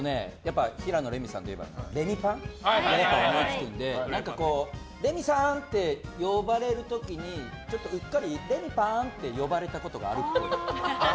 平野レミさんといえばレミパンが思いつくのでレミさん！って呼ばれる時にうっかりレミパン！って呼ばれたことがあるっぽい。